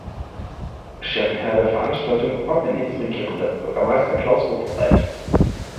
Schirmherr der Veranstaltung war Berlins Regierender Bürgermeister Klaus Wowereit.